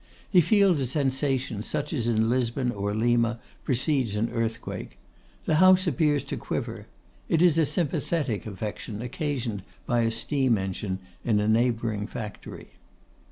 He feels a sensation such as in Lisbon or Lima precedes an earthquake. The house appears to quiver. It is a sympathetic affection occasioned by a steam engine in a neighbouring factory.